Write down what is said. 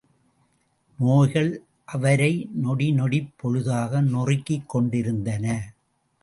நோய்கள் அவரை நொடி நொடிப் பொழுதாக நொறுக்கிக் கொண்டிருந்தன.